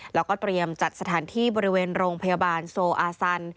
แล้วก็เตรียมจัดสถานที่บริเวณโรงพยาบาลโซอาซัน